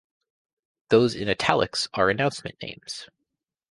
Those in "italics" are announcement names.